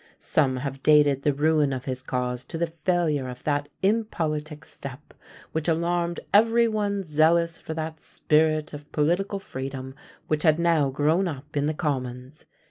Some have dated the ruin of his cause to the failure of that impolitic step, which alarmed every one zealous for that spirit of political freedom which had now grown up in the Commons.